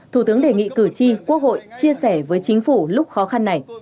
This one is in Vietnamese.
thủ tướng đề nghị cử tri quốc hội chia sẻ với chính phủ lúc khó khăn này